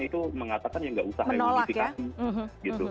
itu mengatakan yang nggak usah reunifikasi